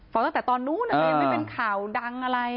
ตั้งแต่ตอนนู้นก็ยังไม่เป็นข่าวดังอะไร